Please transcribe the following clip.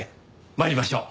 参りましょう。